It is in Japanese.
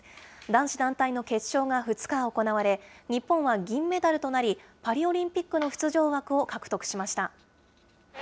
男子団体の決勝が２日、行われ、日本は銀メダルとなり、パリオリンピックの出場枠を獲得しました。